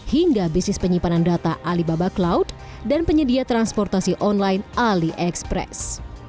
hingga bisnis penyimpanan data alibaba cloud dan penyedia transportasi online aliexpress